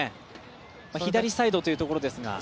左サイドというところですが。